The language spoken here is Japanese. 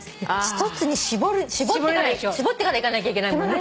一つに絞ってから行かなきゃいけないもんね。